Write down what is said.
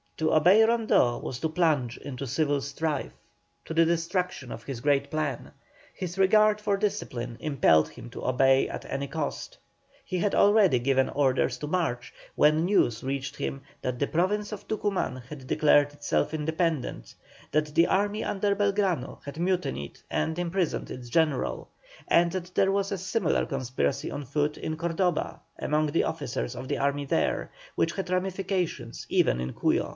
To obey Rondeau was to plunge into civil strife, to the destruction of his great plan; his regard for discipline impelled him to obey at any cost. He had already given orders to march, when news reached him that the Province of Tucuman had declared itself independent; that the army under Belgrano had mutinied and imprisoned its general; and that there was a similar conspiracy on foot in Cordoba among the officers of the army there, which had ramifications even in Cuyo.